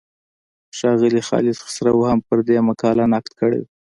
ښاغلي خالد خسرو هم پر دې مقاله نقد کړی و.